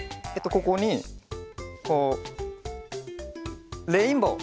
ここにこうレインボー。